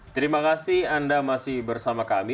terima kasih anda masih bersama kami